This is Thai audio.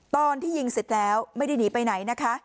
ตอนที่ยิงเสร็จแล้วไม่ได้หนีไปไหนนะคะ